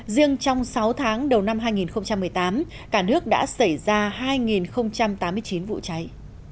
riêng trong sáu tháng đầu năm hai nghìn một mươi tám cả nước đã xảy ra hai tám mươi chín vụ cháy